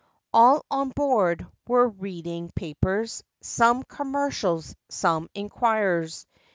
All on board were reading papers— Some "Commercials," some "Enquirers."